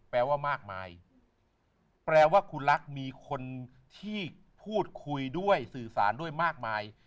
แปลว่ามากมายแปลว่าคุณรักมีคนที่พูดคุยด้วยสื่อสารด้วยมากมาย